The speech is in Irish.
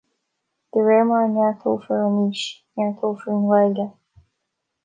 De réir mar a neartófar an fhís, neartófar an Ghaeilge